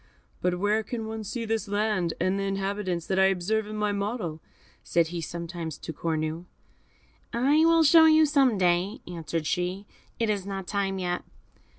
"But where can one see this land, and the inhabitants, that I observe in my model?" said he sometimes to Cornue. "I will show you some day," answered she; "it is not time yet."